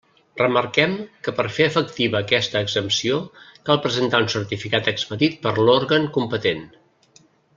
Remarquem que per fer efectiva aquesta exempció cal presentar un certificat expedit per l'òrgan competent.